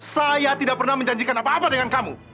saya tidak pernah menjanjikan apa apa dengan kamu